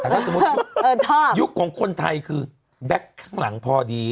แต่ถ้าสมมุติยุคยุคของคนไทยคือแบ็คข้างหลังพอดี